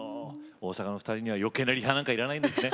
大阪の２人には余計なリハなんか要らないんですね。